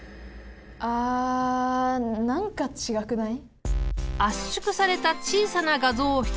あ何か違くない？